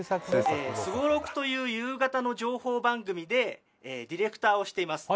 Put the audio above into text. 「スゴろく」という夕方の情報番組でディレクターをしています